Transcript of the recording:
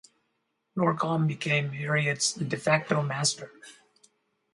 Norcom became Harriet's "de facto" master.